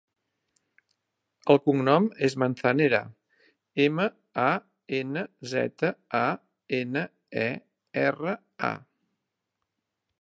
El cognom és Manzanera: ema, a, ena, zeta, a, ena, e, erra, a.